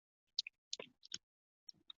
淡蓝色表示为非联播时间播放本地节目。